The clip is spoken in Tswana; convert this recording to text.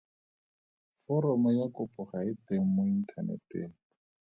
Foromo ya kopo ga e teng mo inthaneteng.